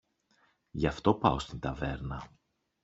Γι' αυτό πάω στην ταβέρνα.